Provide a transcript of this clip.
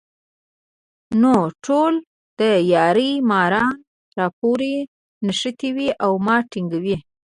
نو ټول دیاړي ماران راپورې نښتي وي ـ او ما تنګوي